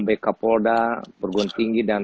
bk polda perguruan tinggi dan